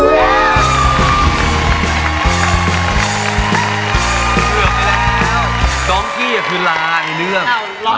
เกือบไปแล้วดองกี้ก็คือลาไอ้เรื่อง